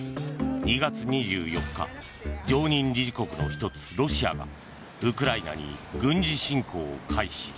２月２４日常任理事国の１つ、ロシアがウクライナに軍事侵攻を開始。